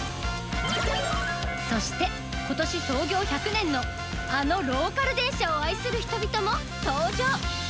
そして、ことし創業１００年のあのローカル電車を愛する人々も登場。